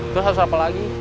terus harus apa lagi